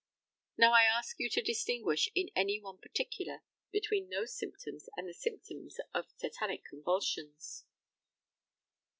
Now, I ask you to distinguish in any one particular between those symptoms and the symptoms of tetanic convulsions?